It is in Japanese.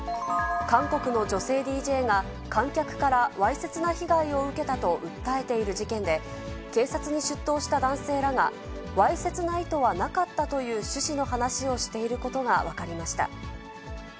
韓国の女性ＤＪが、観客からわいせつな被害を受けたと訴えている事件で、警察に出頭した男性らが、わいせつな意図はなかったという趣旨の話をしていることが分かりました。